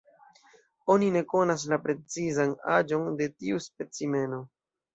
Oni ne konas la precizan aĝon de tiu specimeno.